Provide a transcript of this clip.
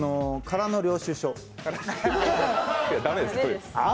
空の領収証。